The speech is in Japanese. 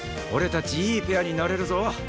俺たちいいペアになれるぞ！